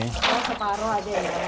nah separuh aja ya